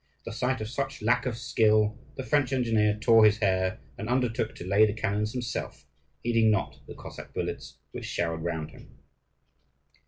At the sight of such lack of skill the French engineer tore his hair, and undertook to lay the cannons himself, heeding not the Cossack bullets which showered round him.